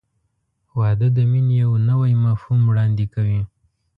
• واده د مینې یو نوی مفهوم وړاندې کوي.